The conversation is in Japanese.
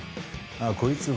ああこいつ